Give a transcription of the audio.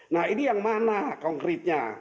nah ini yang mana konkretnya